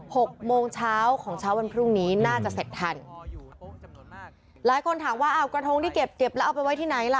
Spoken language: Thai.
หกโมงเช้าของเช้าวันพรุ่งนี้น่าจะเสร็จทันหลายคนถามว่าอ้าวกระทงที่เก็บเก็บแล้วเอาไปไว้ที่ไหนล่ะ